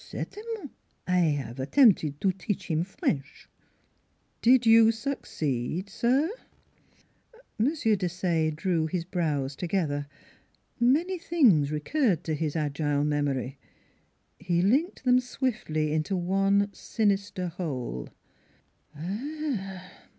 Certainement! I have attempted to teach him French." " Did you succeed, sir?" M. Desaye drew his brows together. Many things recurred to his agile memory. He linked them swiftly into one sinister whole.